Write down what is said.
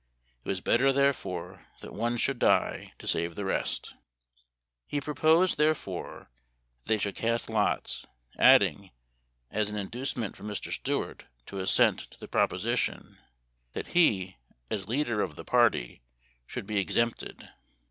It was better, therefore, that one should die to save the rest.' He proposed, therefore, that they should cast lots, adding, as an inducement for Mr. Stuart to assent to the proposition, that he, as leader of the party, should be exempted.